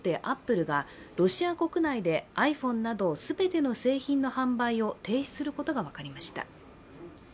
アップルがロシア国内でｉＰｈｏｎｅなど全ての製品の販売を停止することが分かりました。